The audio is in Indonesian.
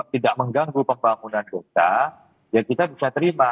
tidak mengganggu pembangunan kota ya kita bisa terima